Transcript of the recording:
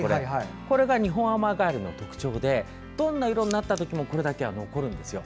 これがニホンアマガエルの特徴でどんな色になった時もこれだけは残るんですよ。